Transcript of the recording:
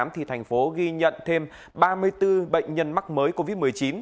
thành phố ghi nhận thêm ba mươi bốn bệnh nhân mắc mới covid một mươi chín